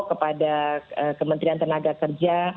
kepada kementerian tenaga kerja